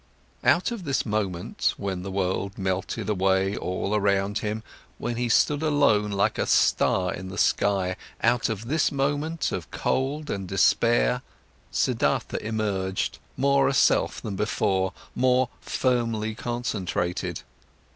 Out of this moment, when the world melted away all around him, when he stood alone like a star in the sky, out of this moment of a cold and despair, Siddhartha emerged, more a self than before, more firmly concentrated.